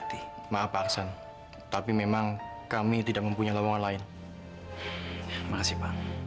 terima kasih pak